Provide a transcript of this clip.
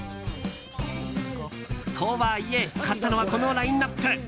とはいえ、買ったのはこのラインアップ。